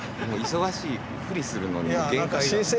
忙しいふりするのにも限界が。